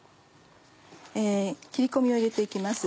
切り込みを入れて行きます。